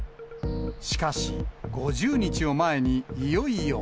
しかし５０日を前にいよいよ。